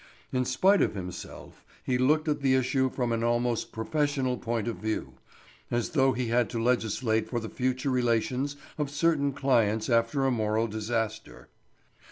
In spite of himself, he looked at the issue from an almost professional point of view, as though he had to legislate for the future relations of certain clients after a moral disaster.